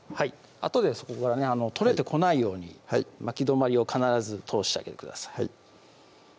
あとでそこからね取れてこないように巻き止まりを必ず通してあげてください